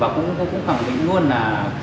và tôi cũng khẳng định luôn là